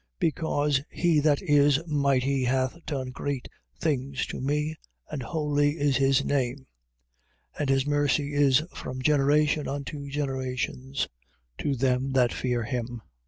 Because he that is mighty hath done great things to me: and holy is his name. 1:50. And his mercy is from generation unto generations, to them that fear him.